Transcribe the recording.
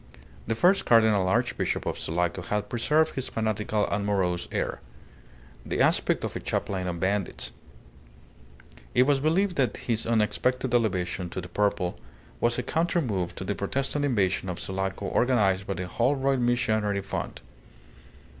The first Cardinal Archbishop of Sulaco had preserved his fanatical and morose air; the aspect of a chaplain of bandits. It was believed that his unexpected elevation to the purple was a counter move to the Protestant invasion of Sulaco organized by the Holroyd Missionary Fund.